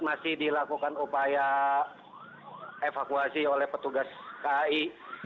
masih dilakukan upaya evakuasi oleh petugas kai